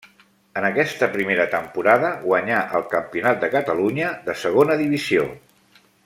En aquesta primera temporada guanyà el Campionat de Catalunya de segona divisió.